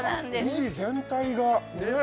生地全体がね